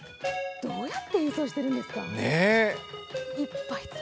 どうやって演奏しているんですかね。